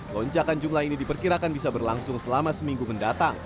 lonjakan jumlah ini diperkirakan bisa berlangsung selama seminggu mendatang